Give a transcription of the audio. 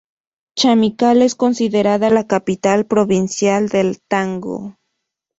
Chamical es considerada la "capital provincial del tango".